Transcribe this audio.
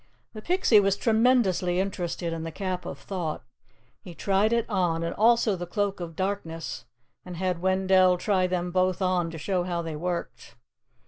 The Pixie was tremendously interested in the Cap of Thought. He tried it on, and also the Cloak of Darkness, and had Wendell try them both on to show how they worked.